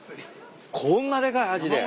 こんなでかいアジで。